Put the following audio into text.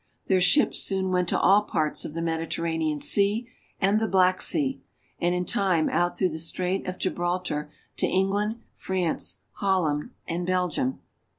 Their ships soon went to all parts of the Mediterranean Sea and the Black Sea, and in time out through the Strait of Gibraltar to England, France, Holland, and Belgium.